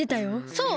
そう！